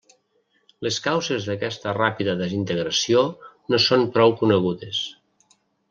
Les causes d'aquesta ràpida desintegració no són prou conegudes.